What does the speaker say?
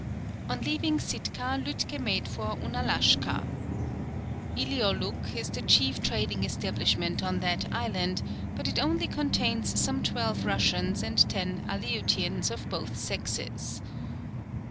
On leaving Sitka, Lütke made for Ounalashka. Ilioluk is the chief trading establishment on that island, but it only contains some twelve Russians and ten Aleutians of both sexes.